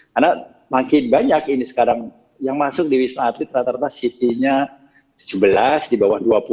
karena makin banyak ini sekarang yang masuk di wisma atlet rata rata ct nya tujuh belas di bawah dua puluh